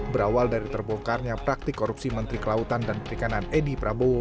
berawal dari terbongkarnya praktik korupsi menteri kelautan dan perikanan edi prabowo